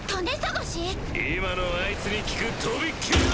今のあいつに効くとびっきりの。